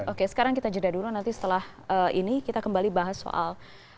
oke sekarang kita jeda dulu nanti setelah ini kita kembali bahas soal